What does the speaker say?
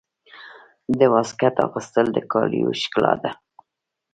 د واسکټ اغوستل د کالیو ښکلا ده.